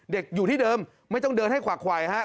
เด็กอยู่ที่เดิมไม่ต้องเดินให้ขวักไหว